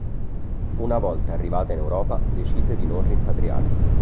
Una volta arrivata in Europa decise di non rimpatriare.